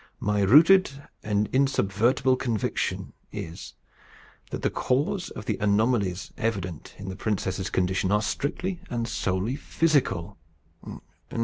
My rooted and insubvertible conviction is, that the causes of the anomalies evident in the princess's condition are strictly and solely physical.